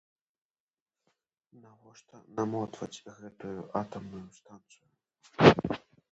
Навошта намотваць гэтую атамную станцыю?!